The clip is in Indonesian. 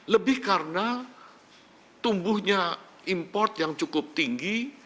lebih karena tumbuhnya import yang cukup tinggi